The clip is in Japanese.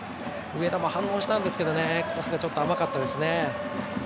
上田も反応したんですけどねコースがちょっと甘かったですね。